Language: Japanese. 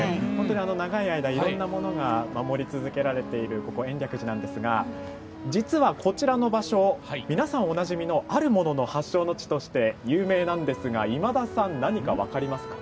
長い間、いろんなものが守り続けられているここ延暦寺なんですが実は、こちらの場所皆さん、おなじみのあるものの発祥の地として有名なんですが、今田さん何か分かりますか？